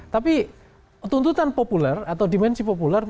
tapi tuntutan populer atau dimensi populer